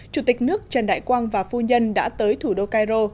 chủ tịch nước trần đại quang và phu nhân đã tới thủ đô cairo